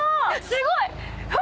すごい。